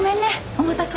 お待たせ。